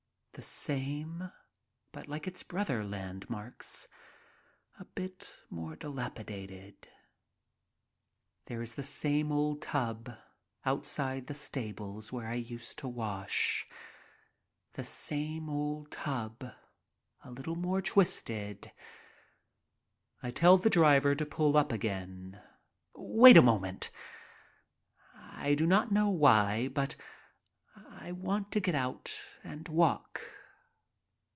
The same, but, Hke its brother landmarks, a bit more dilapidated. There is the old tub outside the stables where I used to wash. The same old tub, a little more twisted. I tell the driver to pull up again. "Wait a moment." I do not know why, but I want to get out and walk.